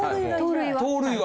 盗塁は？